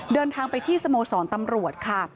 เดินทางไปที่สโมสรตำรวจค่ะ